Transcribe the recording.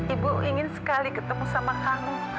ibu ingin sekali ketemu sama kamu